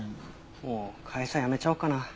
もう会社辞めちゃおうかな。